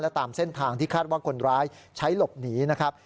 และตามเส้นทางที่คาดว่าคนร้ายใช้หลบหนีนะครับ